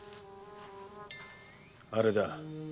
〔あれだ。